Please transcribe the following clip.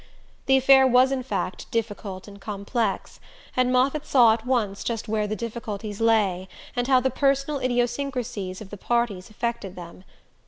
The affair was in fact difficult and complex, and Moffatt saw at once just where the difficulties lay and how the personal idiosyncrasies of "the parties" affected them.